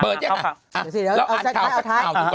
เปิดอย่างนั้น